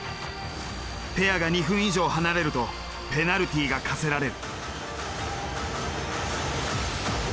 ペアが２分以上離れるとペナルティーが科せられる。